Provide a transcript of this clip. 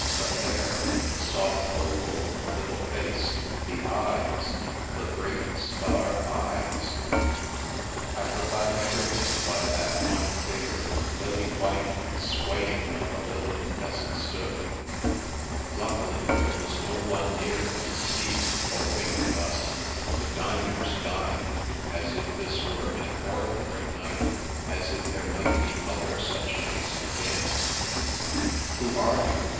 The hair; the soft oval of the little face; the eyes— the great, star eyes ! I forgot everything but that one figure, lily white, and swaying like a lily, as it stood. Luckily, there was no one near to see, or think of us. The diners dined, as if this were an ordinary night, as if there might be other such nights again. " Who are you